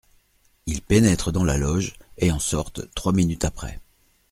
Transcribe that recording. Ils pénètrent dans la loge, et en sortent trois minutes après.